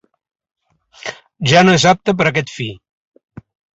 Ja no és apte per a aquest fi.